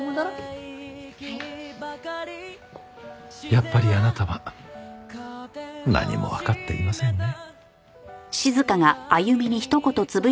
やっぱりあなたは何もわかっていませんね。